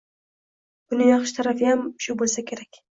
Buni yaxshi tarafiyam shu boʻlsa kerak.